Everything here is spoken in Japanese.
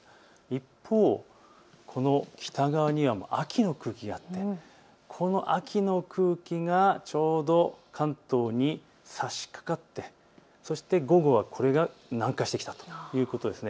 一方北側には秋の空気があって、この秋の空気がちょうど関東にさしかかってそして午後はこれが南下してきたということです。